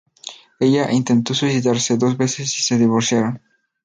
Ella intentó suicidarse dos veces y se divorciaron.